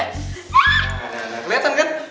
nah kelihatan kan